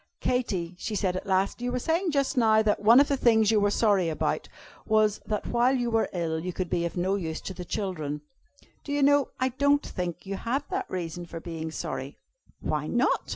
"Katy," she said at last, "you were saying just now, that one of the things you were sorry about was that while you were ill you could be of no use to the children. Do you know, I don't think you have that reason for being sorry." "Why not?"